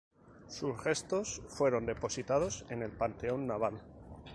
Sus restos fueron depositados en el Panteón Naval.